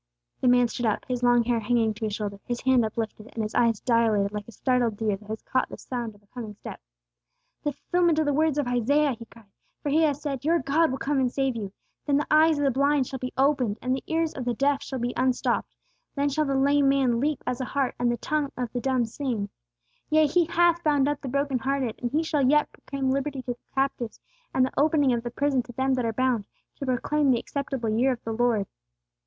The man stood up, his long hair hanging to his shoulder, his hand uplifted, and his eyes dilated like a startled deer that has caught the sound of a coming step. "The fulfilment of the words of Isaiah!" he cried. "For he hath said, 'Your God will come and save you. Then the eyes of the blind shall be opened, and the ears of the deaf shall be unstopped. Then shall the lame man leap as a hart, and the tongue of the dumb sing!' Yea, he hath bound up the broken hearted; and he shall yet 'proclaim liberty to the captives, and the opening of the prison to them that are bound, to proclaim the acceptable year of the Lord!'"